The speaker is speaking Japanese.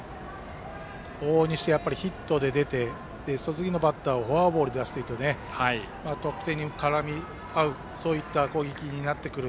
往々にしてヒットで出て次のバッターをフォアボールで出すと得点に絡み合う攻撃になってくる。